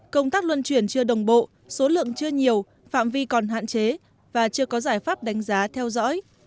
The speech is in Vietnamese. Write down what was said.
công tác luân chuyển chưa đồng bộ số lượng chưa nhiều phạm vi còn hạn chế và chưa có giải pháp đánh giá theo dõi